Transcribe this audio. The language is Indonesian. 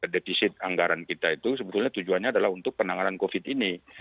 depisit anggaran kita itu sebetulnya tujuannya adalah untuk penanganan covid sembilan belas ini